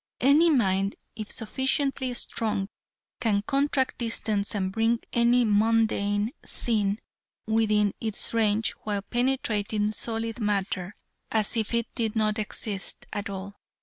Any mind, if sufficiently strong, can contract distance and bring any mundane scene within its range while penetrating solid matter as if it did not exist at all.